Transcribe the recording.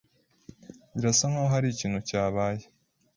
Birasa nkaho hari ikintu cyabaye.